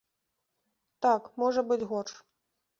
Так, можа быць горш.